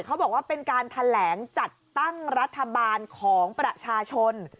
เขาบอกว่าเป็นการแถลงจัดตั้งรัฐบาลของประชาชน